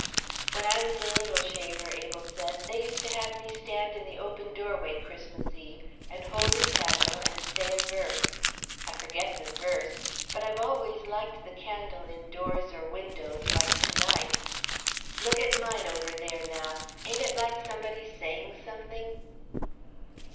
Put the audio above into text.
"When I was a little shaver," Abel said, "they used to have me stand in the open doorway Christmas Eve, and hold a candle and say a verse. I forget the verse. But I've always liked the candle in doors or windows, like to night. Look at mine over there now ain't it like somebody saying something?"